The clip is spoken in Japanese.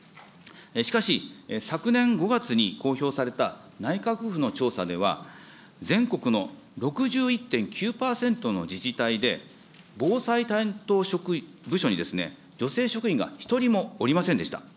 しかし、昨年５月に公表された内閣府の調査では、全国の６１．９％の自治体で、防災担当部署に女性職員が一人もおりませんでした。